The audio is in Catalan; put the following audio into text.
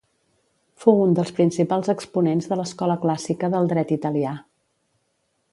Fou un dels principals exponents de l'Escola Clàssica del dret italià.